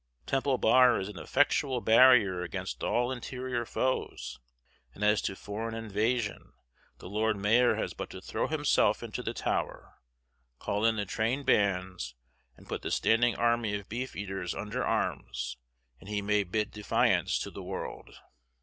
Temple Bar is an effectual barrier against all interior foes; and as to foreign invasion, the Lord Mayor has but to throw himself into the Tower, call in the train bands, and put the standing army of Beef eaters under arms, and he may bid defiance to the world!